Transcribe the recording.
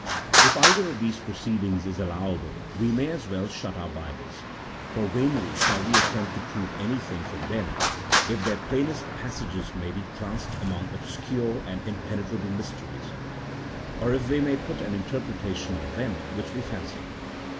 If either of these proceedings is allowable we may as well shut our Bibles, for vainly shall we attempt to prove any thing from them if their plainest passages may be classed among obscure and impenetrable mysteries, or if we may put any interpretation on them which we fancy.